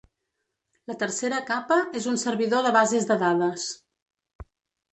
La tercera capa és un servidor de bases de dades.